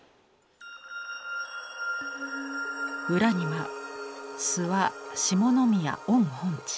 裏には「諏訪下宮御本地」。